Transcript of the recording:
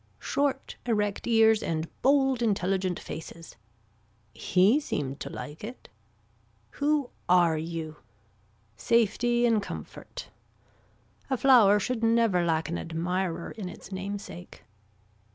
Short erect ears and bold intelligent faces. He seemed to like it. Who are you. Safety in comfort. A flower should never lack an admirer in its namesake.